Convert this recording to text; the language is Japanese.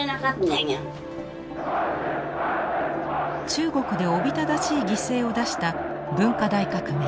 中国でおびただしい犠牲を出した文化大革命。